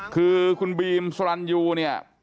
คือคุณบีมสรรยูเนี่ย